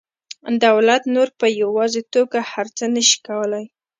دولت نور په یوازې توګه هر څه نشي کولی